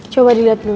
coba dilihat dulu